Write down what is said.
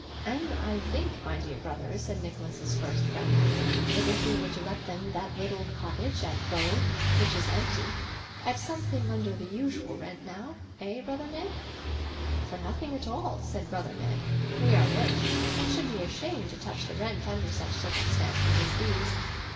'And I think, my dear brother,' said Nicholas's first friend, 'that if we were to let them that little cottage at Bow which is empty, at something under the usual rent, now? Eh, brother Ned?' 'For nothing at all,' said brother Ned. 'We are rich, and should be ashamed to touch the rent under such circumstances as these.